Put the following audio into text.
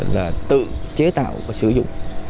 là tự chế tạo và sử dụng